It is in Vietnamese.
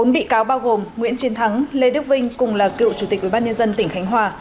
bốn bị cáo bao gồm nguyễn chiến thắng lê đức vinh cùng là cựu chủ tịch ubnd tỉnh khánh hòa